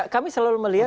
kami selalu melihat